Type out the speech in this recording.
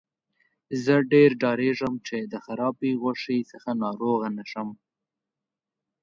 زه ډیر ډاریږم چې د خرابې غوښې څخه ناروغه شم.